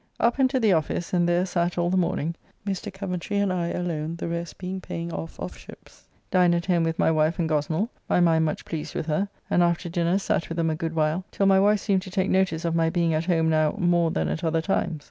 Up and to the office, and there sat all the morning, Mr. Coventry and I alone, the rest being paying off of ships. Dined at home with my wife and Gosnell, my mind much pleased with her, and after dinner sat with them a good while, till my wife seemed to take notice of my being at home now more than at other times.